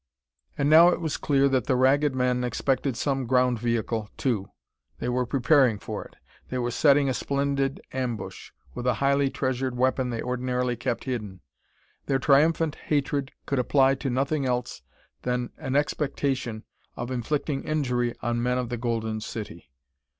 And now it was clear that the Ragged Men expected some ground vehicle, too. They were preparing for it. They were setting a splendid ambush, with a highly treasured weapon they ordinarily kept hidden. Their triumphant hatred could apply to nothing else than an expectation of inflicting injury on men of the Golden City.